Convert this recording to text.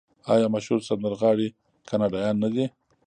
آیا مشهور سندرغاړي کاناډایان نه دي؟